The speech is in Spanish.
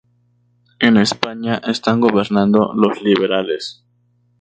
En España están gobernando los liberales.